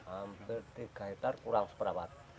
hampir tiga hektare kurang seberapa